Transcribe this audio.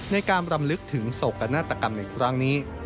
ในการรำลึกถึงโศกนาฏกรรมในครั้งนี้